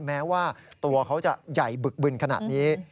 แม้ว่าตัวเขาจะใหญ่บึกบึนขนาดนี้